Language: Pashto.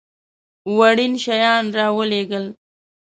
وړین شیان را ولېږل.